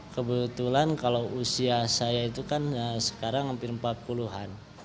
kebetulan kalau usia saya itu kan sekarang hampir empat puluh an